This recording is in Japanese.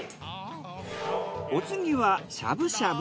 お次はしゃぶしゃぶ。